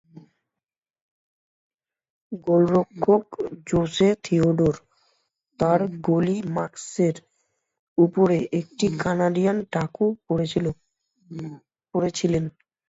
গোলরক্ষক Jose Theodore তার goalie মাস্কের উপরে একটি কানাডিয়ান টাকু পরেছিলেন।